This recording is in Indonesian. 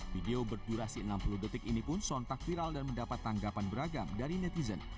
video berdurasi enam puluh detik ini pun sontak viral dan mendapat tanggapan beragam dari netizen